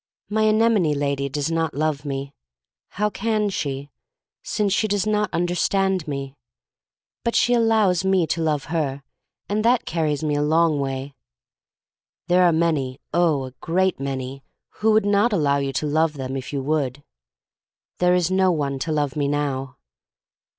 My anemone lady does not love me. How can she — since she does npt under stand me? But she allows me to love her — and that carries me a long way. There are many — oh, a great many — who will not allow you to love them if you would. There is no one to love me now.